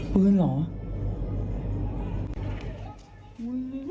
ปืนเหรอ